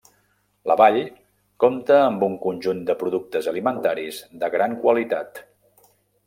La vall compta amb un conjunt de productes alimentaris de gran qualitat.